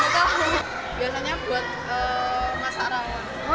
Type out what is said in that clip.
biasanya buat masak rawan